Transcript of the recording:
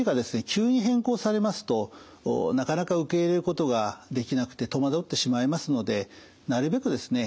急に変更されますとなかなか受け入れることができなくて戸惑ってしまいますのでなるべくですね